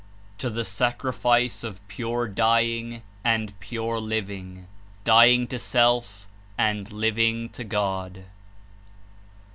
To the sacrifice of pure dying and pure living, dying to self and living to God.